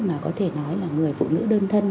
mà có thể nói là người phụ nữ đơn thân